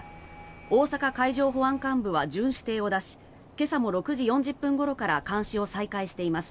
大阪海上保安監部は巡視艇を出し今朝も６時４０分ごろから監視を再開しています。